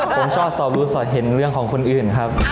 ผมชอบสอบรู้สอบเห็นเรื่องของคนอื่นครับ